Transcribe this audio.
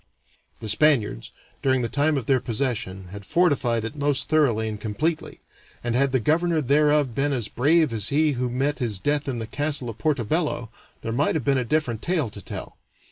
The Spaniards, during the time of their possession, had fortified it most thoroughly and completely, and had the governor thereof been as brave as he who met his death in the castle of Porto Bello, there might have been a different tale to tell.